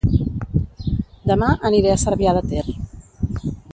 Dema aniré a Cervià de Ter